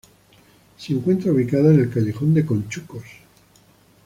Se encuentra ubicada en el Callejón de Conchucos.